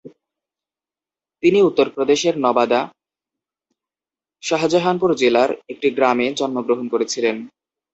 তিনি উত্তরপ্রদেশের নবাদা শাহজাহানপুর জেলার একটি গ্রামে জন্মগ্রহণ করেছিলেন।